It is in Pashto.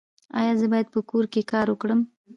ایا زه باید په کور کې کار وکړم؟